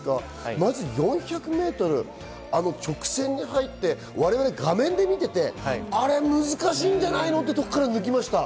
まず４００ｍあの直線に入って、画面で見ていて、難しいんじゃないの？というところから抜きました。